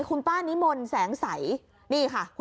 อืม